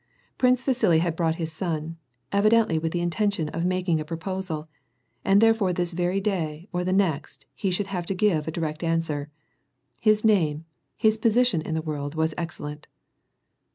Prince Vasili had brought his son, evidently with the inten tion of making a proposal, and therefore this very day or the next he should have to give a direct answer. His name, his position in the world was excellent.